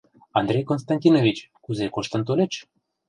Андрей Константинович, кузе коштын тольыч?